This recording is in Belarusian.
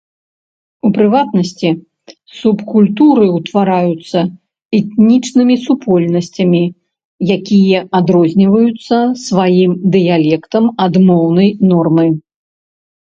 У прыватнасці, субкультуры ўтвараюцца этнічнымі супольнасцямі, якія адрозніваюцца сваім дыялектам ад моўнай нормы.